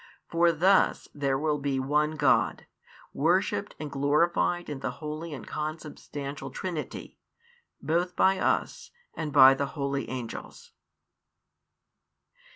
For thus there will be One God, worshipped and glorified in the holy and consubstantial Trinity, both by us and by the holy angels.